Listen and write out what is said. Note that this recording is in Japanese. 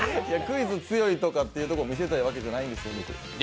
クイズ強いとかってところ見せたいわけじゃないんです。